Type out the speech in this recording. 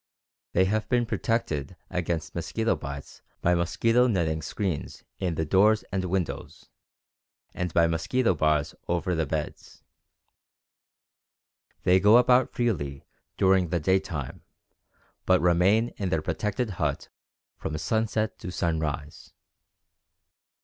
They have been protected against mosquito bites by mosquito netting screens in the doors and windows and by mosquito bars over the beds. They go about freely during the daytime, but remain in their protected hut from sunset to sunrise.